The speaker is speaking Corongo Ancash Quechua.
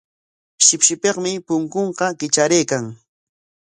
Shipshipikmi punkunqa kitraraykan.